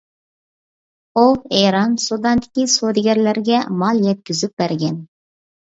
ئۇ ئىران، سۇداندىكى سودىگەرلەرگە مال يەتكۈزۈپ بەرگەن.